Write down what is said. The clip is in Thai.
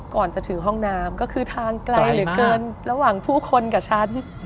ก่อนจะถึงห้องน้ำก็คือทางไกลเหลือเกินระหว่างผู้คนกับฉัน